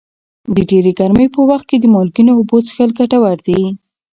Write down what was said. د ډېرې ګرمۍ په وخت کې د مالګینو اوبو څښل ګټور دي.